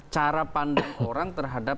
cara pandang orang terhadap